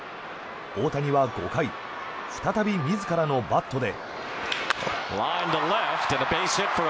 大谷は５回再び自らのバットで。